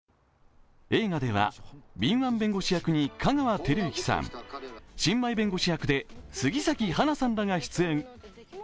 映画では敏腕弁護士役に香川照之さん、新米弁護士役で杉咲花さんらが出演。